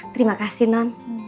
terima kasih non